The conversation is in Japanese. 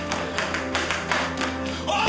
おい！